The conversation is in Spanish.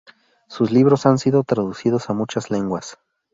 Sus libros han sido traducidos a muchas lenguas.